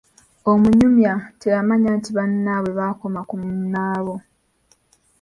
Omunyumya teyamanya nti bannaabwe baakoma ku munaabo.